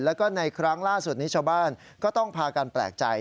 แล้วก็ในครั้งล่าสุดนี้ชาวบ้านก็ต้องพากันแปลกใจ